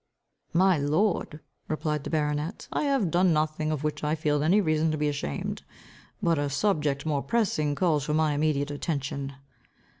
"My lord," replied the baronet, "I have done nothing, of which I feel any reason to be ashamed. But a subject more pressing calls for my immediate attention."